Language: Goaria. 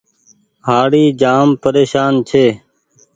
هآڙي جآم پريشان ڇي۔